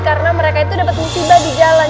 karena mereka itu dapet musibah di jalan